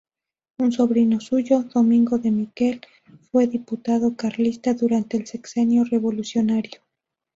Un sobrino suyo, Domingo de Miquel, fue diputado carlista durante el Sexenio Revolucionario.